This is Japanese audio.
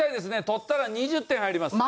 取ったら２０点入ります。